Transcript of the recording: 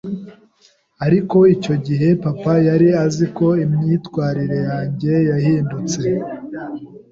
ariko icyo gihe papa yari aziko imyitwarire yanjye yahindutse,